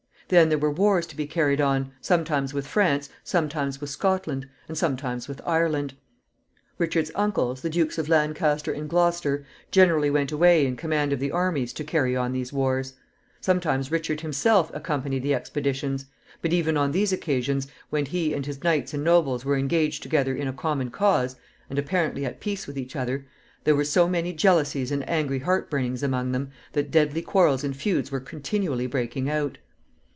Then there were wars to be carried on, sometimes with France, sometimes with Scotland, and sometimes with Ireland. Richard's uncles, the Dukes of Lancaster and Gloucester, generally went away in command of the armies to carry on these wars. Sometimes Richard himself accompanied the expeditions; but even on these occasions, when he and his knights and nobles were engaged together in a common cause, and apparently at peace with each other, there were so many jealousies and angry heartburnings among them, that deadly quarrels and feuds were continually breaking out.